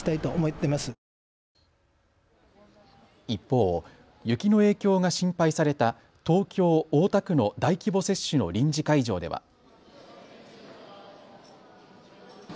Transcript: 一方、雪の影響が心配された東京大田区の大規模接種の臨時会場では。